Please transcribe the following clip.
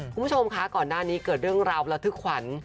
คุณผู้ชมคะก่อนหน้านี้เกิดเรื่องราวระทึกขวัญ